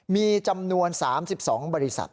มีจำนวน๓๒บริษัท